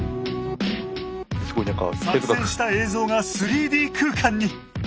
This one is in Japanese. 撮影した映像が３Ｄ空間に！